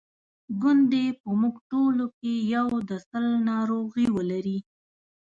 ګوندي په موږ ټولو کې یو د سِل ناروغي ولري.